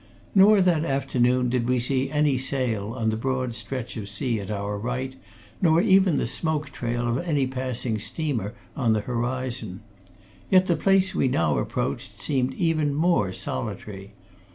Nor that afternoon did we see any sail on the broad stretch of sea at our right, nor even the smoke trail of any passing steamer on the horizon. Yet the place we now approached seemed even more solitary.